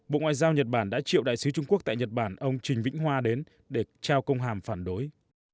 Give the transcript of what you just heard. bộ ngoại giao nhật bản đã triệu đại sứ trung quốc tại nhật bản ông trình vĩnh hoa đến để trao công hàm phản đối